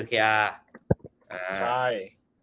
ใช่